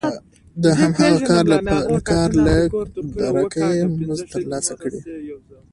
د هماغه کار له درکه یې مزد ترلاسه کړی وي